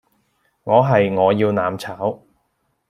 我係「我要攬炒」